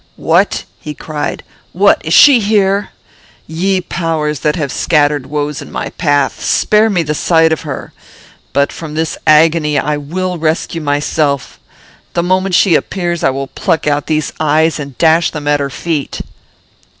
"What!" he cried. "What! Is she here? Ye powers, that have scattered woes in my path, spare me the sight of her! But from this agony I will rescue myself. The moment she appears I will pluck out these eyes and dash them at her feet."